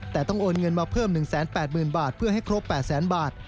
แต่ต้องโอนเงินมาเพิ่ม๑๘๐๐๐บาทเพื่อให้ครบ๘แสนบาท